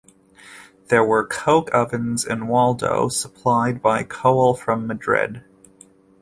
There were coke ovens in Waldo, supplied by coal from Madrid.